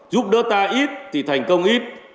giúp đỡ ta ít thì thành công ít